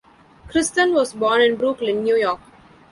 Kristen was born in Brooklyn, New York.